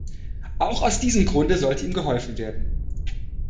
Auch aus diesem Grunde sollte ihm geholfen werden.